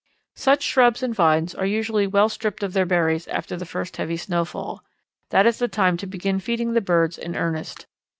Such shrubs and vines are usually well stripped of their berries after the first heavy snowfall. That is the time to begin feeding the birds in earnest.